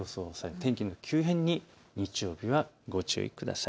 天気の急変に日曜日はご注意ください。